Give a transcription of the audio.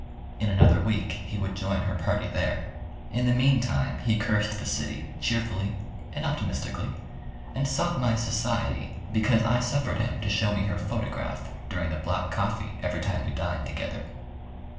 In another week he would join her party there. In the meantime, he cursed the city cheerfully and optimistically, and sought my society because I suffered him to show me her photograph during the black coffee every time we dined together.